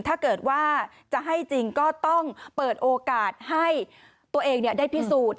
ถ้าเกิดว่าจะให้จริงก็ต้องเปิดโอกาสให้ตัวเองได้พิสูจน์